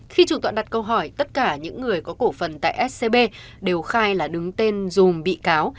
khi chủ tọa đặt câu hỏi tất cả những người có cổ phần tại scb đều khai là đứng tên dùm bị cáo